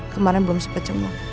kemaren belum sempet cemuk